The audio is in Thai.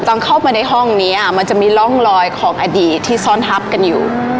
ตอนเข้าไปในห้องนี้มันจะมีร่องรอยของอดีตที่ซ้อนทับกันอยู่